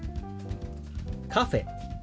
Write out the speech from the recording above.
「カフェ」。